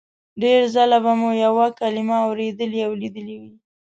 ډېر ځله به مو یوه کلمه اورېدلې او لیدلې وي